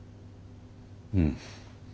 うん。